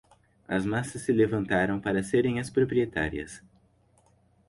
As massas se levantaram para serem as proprietárias